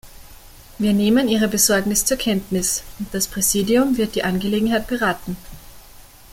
Wir nehmen Ihre Besorgnis zur Kenntnis, und das Präsidium wird die Angelegenheit beraten.